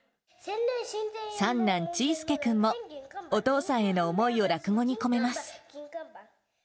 三男、ちぃ助くんも、お父さんへの思いを落語に込めます。